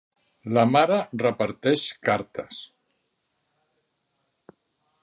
La mare reparteix cartes.